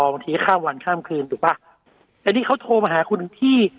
บางทีข้ามวันข้ามคืนถูกป่ะแต่นี่เขาโทรมาหาคุณพี่